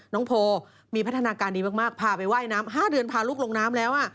น้องโพมีพัฒนาการดีมากพาไปว่ายน้ำ๕เดือนพาลูกลงน้ำแล้ว